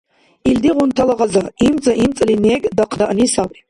Илдигъунтала гъаза — имцӀа-имцӀали нег дахъдаъни сабри.